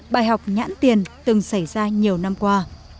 bài học nhãn tiền từng xảy ra nhiều năm qua